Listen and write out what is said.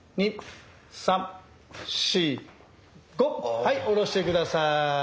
はい下ろして下さい。